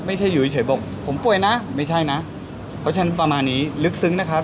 ไม่ใช่อยู่เฉยบอกผมป่วยนะไม่ใช่นะเพราะฉะนั้นประมาณนี้ลึกซึ้งนะครับ